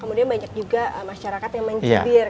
kemudian banyak juga masyarakat yang mencibir